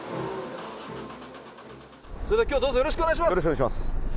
それではきょうはどうぞよろしくお願いいたします。